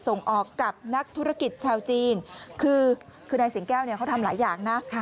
ส่งออกกับนักธุรกิจชาวจีนคือนายสิงแก้วเนี่ยเขาทำหลายอย่างนะ